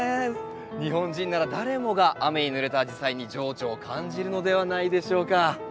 日本人なら誰もが雨にぬれたアジサイに情緒を感じるのではないでしょうか。